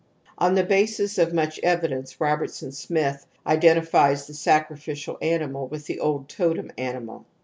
On the basis of much evidence Robertson Smith identifies the sacrificial animal with the old totem animal.